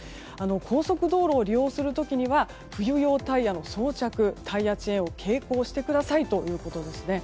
高速道路を利用する時には冬用タイヤの装着タイヤチェーンを携行してくださいということです。